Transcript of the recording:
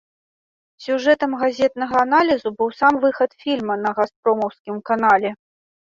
Сюжэтам газетнага аналізу быў сам выхад фільма на газпромаўскім канале.